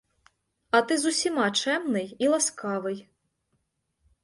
А ти з усіма чемний і ласкавий.